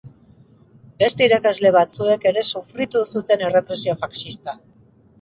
Beste irakasle batzuek ere sufritu zuten errepresio faxista.